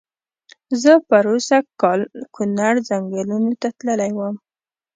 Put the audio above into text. زه پرو سږ کال کونړ ځنګلونو ته تللی وم.